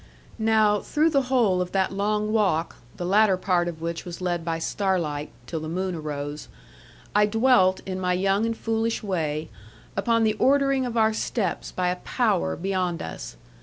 Now, through the whole of that long walk the latter part of which was led by starlight, till the moon arose I dwelt, in my young and foolish way, upon the ordering of our steps by a Power beyond us.